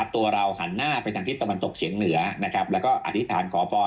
ตัวเราหันหน้าไปทางทิศตะวันตกเฉียงเหนือแล้วก็อธิษฐานขอพร